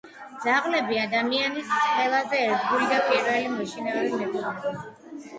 ძაღლები — ადამიანის ყველაზე ერთგული და პირველი მოშინაურებული მეგობრები